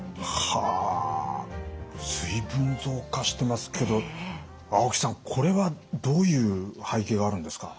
はあ随分増加してますけど青木さんこれはどういう背景があるんですか？